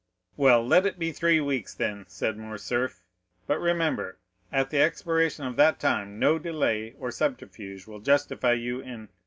'" "Well, let it be three weeks then," said Morcerf; "but remember, at the expiration of that time no delay or subterfuge will justify you in——" "M.